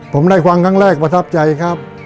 ผมได้ฟังครั้งแรกประทับใจครับ